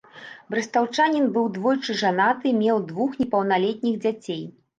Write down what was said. Брэстаўчанін быў двойчы жанаты, меў двух непаўналетніх дзяцей.